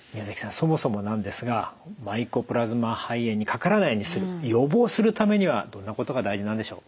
そもそもなんですがマイコプラズマ肺炎にかからないようにする予防するためにはどんなことが大事なんでしょう？